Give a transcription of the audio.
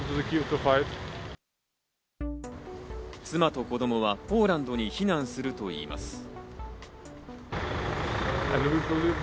妻と子供はポーランドに避難するといいます。